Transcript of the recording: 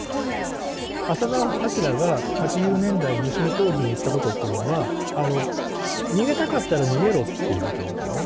浅田彰が８０年代にその当時に言ったことっていうのは「逃げたかったら逃げろ」っていうことなんですよね。